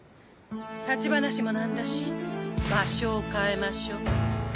立ち話も何だし場所を変えましょ。